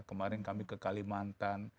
kemarin kami ke kalimantan